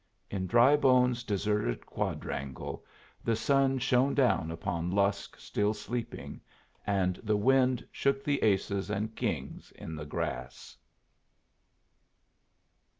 In Drybone's deserted quadrangle the sun shone down upon Lusk still sleeping, and the wind shook the aces and kings in the grass.